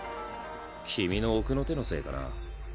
君の奥の手のせいかな。